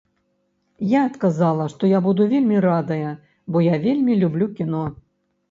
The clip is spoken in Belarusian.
Я адказала, што я буду вельмі радая, бо я вельмі люблю кіно.